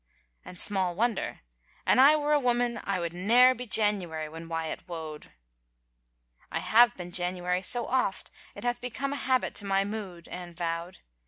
" And small wonder. An I were a woman I would ne'er be January when Wyatt woed." " I have been January so oft it hath become a habit to my mood," Anne vowed.